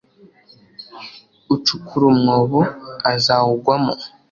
ucukura umwobo, azawugwamo